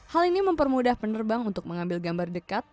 hal ini mempermudah penerbang untuk mengambil gambar dekat